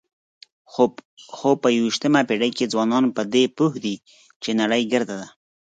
خو په یوویشتمه پېړۍ کې ځوانان په دې پوه دي چې نړۍ ګرده ده.